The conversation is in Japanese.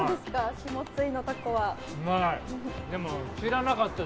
下津井のタコは。